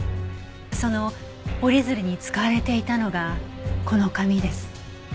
その折り鶴に使われていたのがこの紙です。